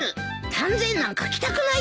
丹前なんか着たくないよ。